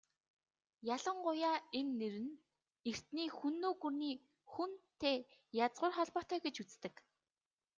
Ялангуяа энэ нэр нь эртний Хүннү гүрний "Хүн"-тэй язгуур холбоотой гэж үздэг.